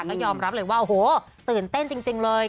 ก็ยอมรับเลยว่าโอ้โหตื่นเต้นจริงเลย